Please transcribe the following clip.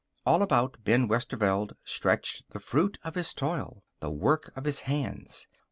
All about Ben Westerveld stretched the fruit of his toil; the work of his hands.